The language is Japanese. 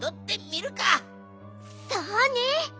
そうね。